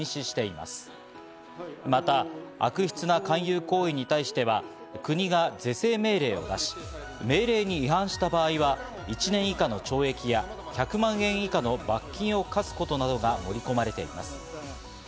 また、悪質な勧誘行為に関しては、国が是正命令を出し、命令に違反した場合は１年以下の懲役や１００万円以下の罰金を科すことなどが盛り込まれています。